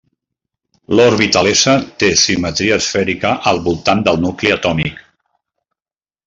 L'orbital s té simetria esfèrica al voltant del nucli atòmic.